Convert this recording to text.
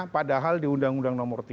padahal di undang undang nomor tiga belas itu